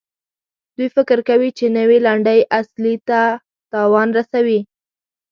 دوی فکر کوي چې نوي لنډۍ اصلي ته تاوان رسوي.